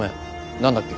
何だっけ？